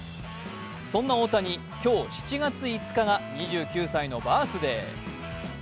そんな大谷、今日７月５日が２９歳のバースデー。